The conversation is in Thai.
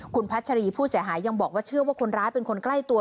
คุณพัชรีผู้เสียหายยังบอกว่าเชื่อว่าคนร้ายเป็นคนใกล้ตัว